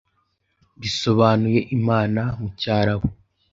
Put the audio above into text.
bisobanuye Imana mu cyarabu,